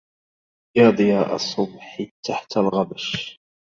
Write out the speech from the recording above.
يا ضياء الصبح تحت الغبش